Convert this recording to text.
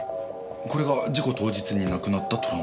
これが事故当日になくなったトランプ。